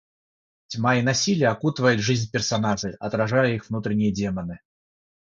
Тьма и насилие окутывают жизнь персонажей, отражая их внутренние демоны.